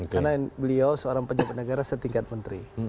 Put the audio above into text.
karena beliau seorang pejabat negara setingkat menteri